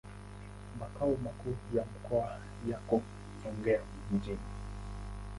Makao makuu ya mkoa yako Songea mjini.